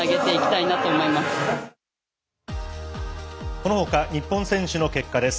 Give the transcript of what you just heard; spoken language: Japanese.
このほか日本選手の結果です。